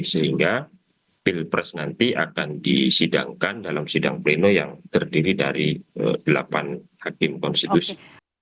sehingga pilpres nanti akan disidangkan dalam sidang pleno yang terdiri dari delapan hakim konstitusi